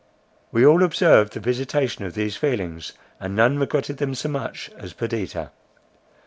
We all observed the visitation of these feelings, and none regretted them so much as Perdita.